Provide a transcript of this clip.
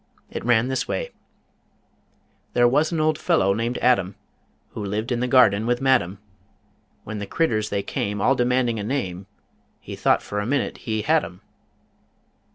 It ran this way: There was an old fellow named Adam, Who lived in the Garden with Madam. When the critters they came All demanding a name He thought for a minute he "had 'em!"